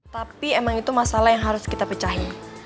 tapi emang itu masalah yang harus kita pecahin